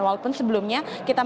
walaupun sebelumnya kita